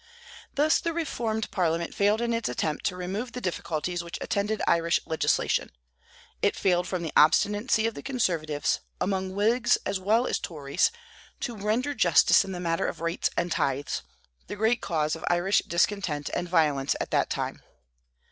Thus the reformed Parliament failed in its attempt to remove the difficulties which attended Irish legislation. It failed from the obstinacy of the conservatives, among Whigs as well as Tories, to render justice in the matter of rates and tithes, the great cause of Irish discontent and violence at that time.